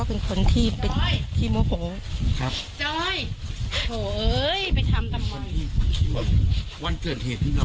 วันเกิดเหตุที่เราได้เตรียมการแล้วคิดอะไรบ้าง